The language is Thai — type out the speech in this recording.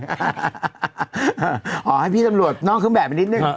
อ่าให้พี่ตำรวจน้องคือแบบนิดนึง